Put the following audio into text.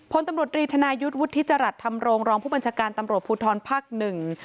พลตำรวจรีธนายุทธิจรัตน์ทำโรงรองผู้บัญชาการตำรวจภูทรภักดิ์หนึ่ง